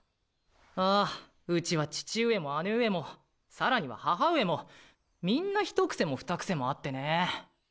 ああうちは父上も姉上もさらには母上もみんな一癖も二癖もあってね。